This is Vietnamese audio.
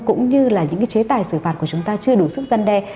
cũng như là những cái chế tài xử phạt của chúng ta chưa đủ sức dân đe